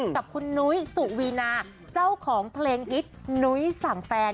กับคุณนุ้ยสุวีนาเจ้าของเพลงฮิตนุ้ยสั่งแฟน